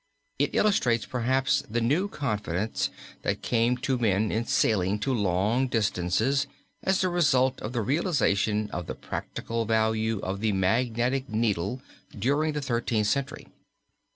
It illustrates perhaps the new confidence that came to men in sailing to long distances as the result of the realization of the practical value of the magnetic needle during the Thirteenth Century.